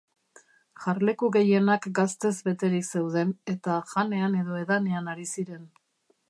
Jarleku gehienak gaztez beterik zeuden, eta janean edo edanean ari ziren.